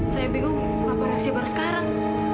saya bingung apa reaksi baru sekarang